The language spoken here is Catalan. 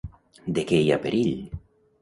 De què hi ha perill?